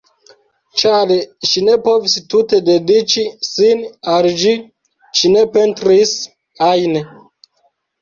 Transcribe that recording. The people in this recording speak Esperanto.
Ĉar ŝi ne povis tute dediĉi sin al ĝi, ŝi ne pentris ajn.